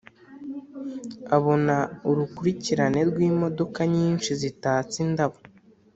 abona urukurikirane rw’imodoka nyinshi zitatse indabo